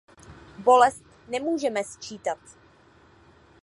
Bolest nemůžete sčítat.